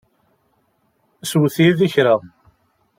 Swet yid-i kra.